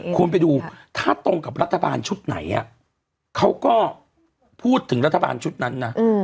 ไปดูถ้าตรงกับรัฐบาลชุดไหนเขาก็พูดถึงรัฐบาลชุดนั้นนะ